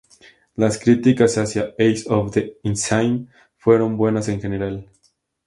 Las críticas hacia "Eyes of the Insane" fueron buenas en general.